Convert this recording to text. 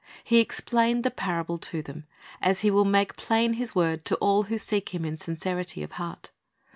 He explained the parable to them, as He will make plain His word to all who seek Him in sincerity of heart.